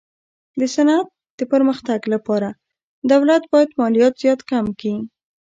د صنعت د پرمختګ لپاره دولت باید مالیات زیات کم کي.